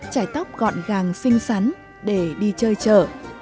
trải tóc gọn gàng xinh xắn để đi chơi chợ